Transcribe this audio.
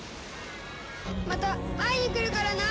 また会いに来るからな。